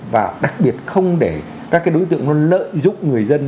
và đặc biệt không để các đối tượng nó lợi dụng người dân